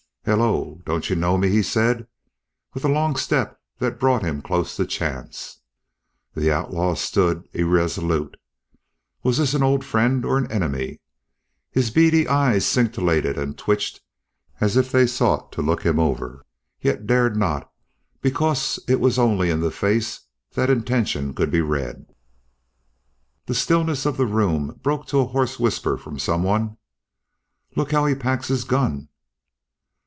"Hello, Don't you know me?" he said, with a long step that brought him close to Chance. The outlaw stood irresolute. Was this an old friend or an enemy? His beady eyes scintillated and twitched as if they sought to look him over, yet dared not because it was only in the face that intention could be read. The stillness of the room broke to a hoarse whisper from some one. "Look how he packs his gun."